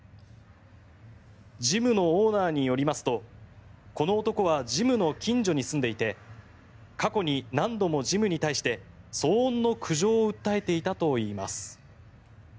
ジムのオーナーによりますとこの男はジムの近所に住んでいて過去に何度もジムに対して騒音の苦情を訴えていたといいます。